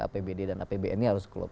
apbd dan apbn ini harus keluar